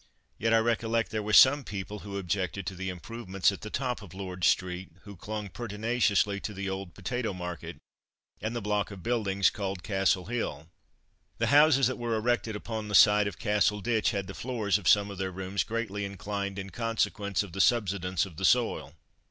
Yet, I recollect there were some people who objected to the improvements at the top of Lord street, who clung pertinaciously to the old Potato Market, and the block of buildings called Castle Hill. The houses that were erected upon the site of Castle Ditch had the floors of some of their rooms greatly inclined in consequence of the subsidence of the soil.